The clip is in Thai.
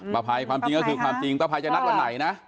ภัยความจริงก็คือความจริงป้าภัยจะนัดวันไหนนะ